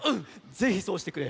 ぜひそうしてくれ。